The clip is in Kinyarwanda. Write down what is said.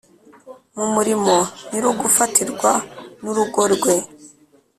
mu murimo nyir’ugufatirwa n’urugo rwe